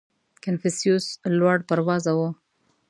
• کنفوسیوس لوړ پروازه و.